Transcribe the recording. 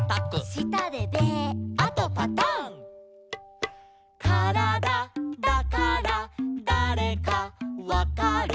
「したでベー」「あとパタン」「からだだからだれかわかる」